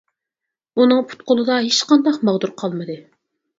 ئۇنىڭ پۇت قولىدا ھېچقانداق ماغدۇر قالمىدى.